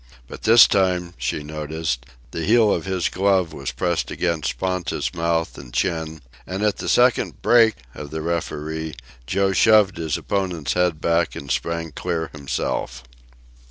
But this time, she noticed, the heel of his glove was pressed against Ponta's mouth and chin, and at the second "Break!" of the referee, Joe shoved his opponent's head back and sprang clear himself.